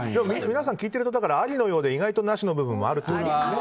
皆さん、聞いてるとありのようで意外となしの部分も。